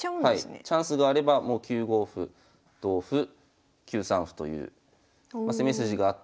チャンスがあればもう９五歩同歩９三歩という攻め筋があって。